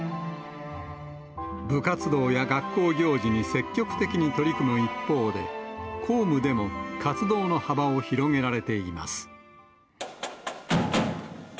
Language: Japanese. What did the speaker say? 部活動や学校行事に積極的に取り組む一方で、公務でも活動の幅を広げられています。